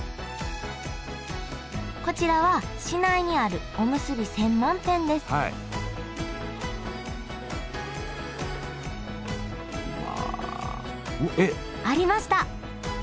こちらは市内にあるおむすび専門店ですありました！